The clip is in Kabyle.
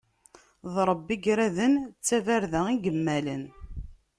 D Ṛebbi i iraden, d tabarda i yemmalen.